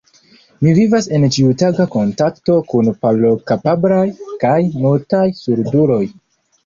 Mi vivas en ĉiutaga kontakto kun parolkapablaj kaj mutaj surduloj.